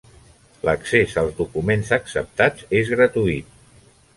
L'accés als documents acceptats és gratuït.